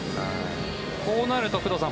こうなると工藤さん